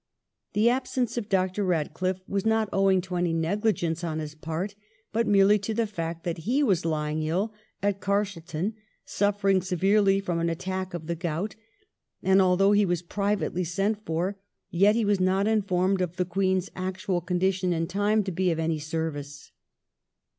The absence of Dr. Eadcliffe was not owing to any negligence on his part, but merely to the fact that he was lying ill at Carshalton, suffering severely from an attack of the gout ; and although he was privately sent for, yet he was not informed of the Queen's actual condition in time to be of any service.